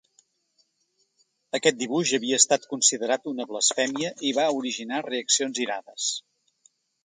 Aquest dibuix havia estat considerat una blasfèmia i va originar reaccions irades.